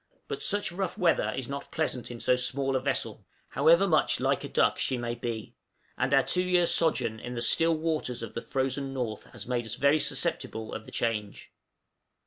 But such rough weather is not pleasant in so small a vessel, however much "like a duck" she may be; and our two years' sojourn in the still waters of the frozen North has made us very susceptible of the change.